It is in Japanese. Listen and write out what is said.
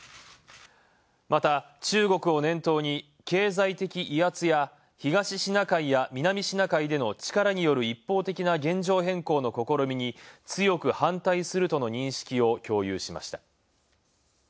また中国を念頭に経済的威圧や、東シナ海や南シナ海での力による一方的な現状変更の試みに強く反対するとの認識を共有しました。